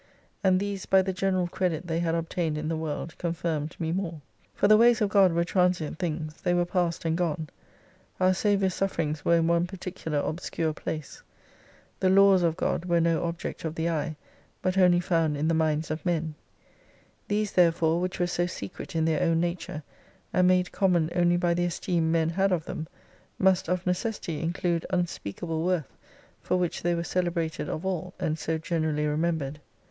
And these by the general credit they had obtained in the world confirmed me more. For the ways of God were transient things, they were past and gone ; our Saviour's sufferings were in one particular, obscure place, the Laws of God were no object of the eye, but only found in the minds of men : these therefore which were so secret in their own nature, and made common only by the esteem men had of them, must of necessity include unspeakable worth for which they were celebrated of all, and so generally remembered.